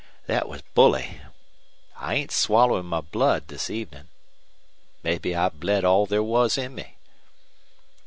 thet was bully. I ain't swallowin' my blood this evenin'. Mebbe I've bled all there was in me."